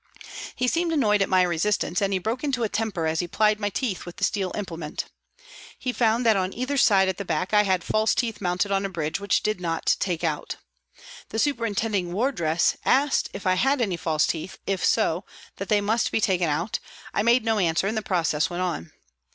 He seemed annoyed at my resistance and he broke into a temper as he plied my teeth with the steel implement. He found that on either side at the back I had false teeth mounted on a bridge which did not take out. The superintending wardress asked if I had any false teeth, if so, that they must be taken out ; I made no answer and the process went on.